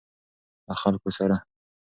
له خلکو سره.